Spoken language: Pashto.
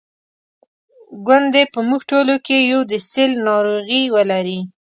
ګوندي په موږ ټولو کې یو د سِل ناروغي ولري.